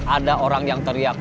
ada orang yang teriak